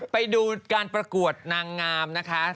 ไปดูการประกวดนางงามนะคะ